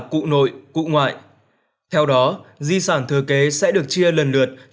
cụ nội cụ ngoại theo đó di sản thừa kế sẽ được chia lần lượt